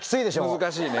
難しいね。